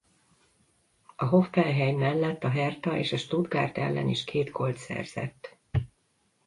A Hoffenheim mellett a Hertha és a Stuttgart ellen is két gólt szerzett.